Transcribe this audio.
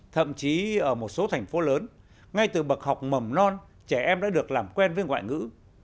thậm chí ở một số thành phố lớn ngay từ bậc học mầm non trẻ em đã được làm quen với ngoại ngữ